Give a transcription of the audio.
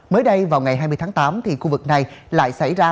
mới đây vào ngày hai mươi tháng tám thì khu vực này lại xảy ra